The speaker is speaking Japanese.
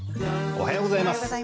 おはようございます。